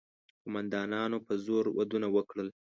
قوماندانانو په زور ودونه وکړل.